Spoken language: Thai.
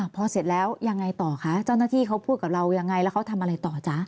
พอเสร็จแล้วยังไงต่อคะเจ้าหน้าที่เขาพูดกับเรายังไงแล้วเขาทำอะไรต่อจ๊ะ